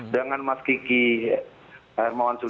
dengan mas kiki hermawan sul